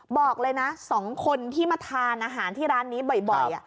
บอกเลยนะ๒คนที่มาทานอาหารที่ร้านนี้บ่อย